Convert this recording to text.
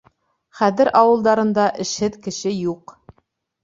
Хәҙер ауылдарында эшһеҙ кеше юҡ.